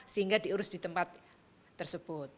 sehingga diurus di tempat tersebut